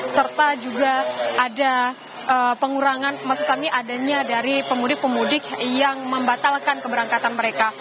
serta juga ada pengurangan maksud kami adanya dari pemudik pemudik yang membatalkan keberangkatan mereka